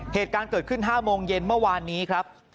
เหตุการณ์เกิดขึ้น๕โมงเย็นเมื่อวานนี้ครับ